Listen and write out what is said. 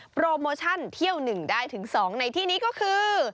โปรโมชั่นเที่ยว๑ได้ถึง๒ในที่นี้ก็คือ